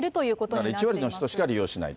だから１割の人しか利用しないと。